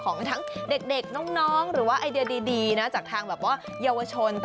ของทั้งเด็กน้องหรือว่าไอเดียดีนะจากทางแบบว่าเยาวชน